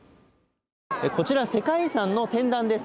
こちら世界遺産の天壇です